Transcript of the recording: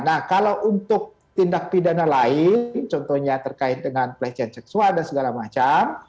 nah kalau untuk tindak pidana lain contohnya terkait dengan pelecehan seksual dan segala macam